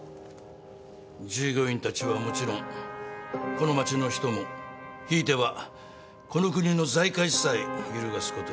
従業員たちはもちろんこの街の人もひいてはこの国の財界さえ揺るがすことになる。